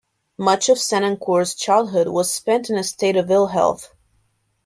Much of Senancour's childhood was spent in a state of ill-health.